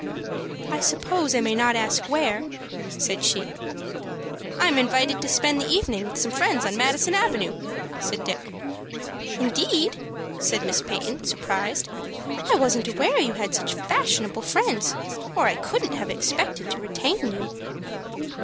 "I suppose I may not ask where," said she. "I am invited to spend the evening with some friends on Madison Avenue," said Dick. "Indeed?" said Miss Peyton, surprised. "I wasn't aware you had such fashionable friends, or I couldn't have expected to retain you."